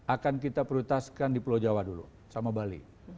akan kita prioritaskan di pulau jawa dulu sama bali